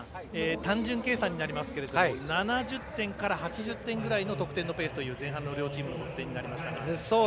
単純計算になりますが７０点から８０点ぐらいの得点のペースという前半の両チームの得点になりましたが。